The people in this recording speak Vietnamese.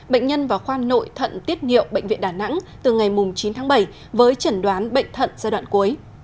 bệnh nhân vào khoa nội thận tiết niệu bệnh viện đà nẵng từ ngày chín tháng bảy với chẩn đoán bệnh thận giai đoạn cuối